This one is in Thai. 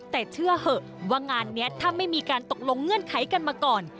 แต่เชื่อเหอะว่างานนี้ถ้าไม่มีการตกลงเงื่อนไขกันมาก่อน